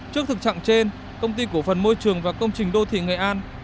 trước thực trạng trên công ty cổ phần môi trường và công trình đô thị nghệ an